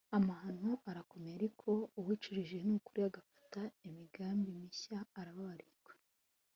amahano, arakomeye ariko uwicujije m'ukuri agafata imigambi mishya arababarirwa